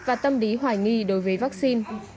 và tâm lý hoài nghi đối với vaccine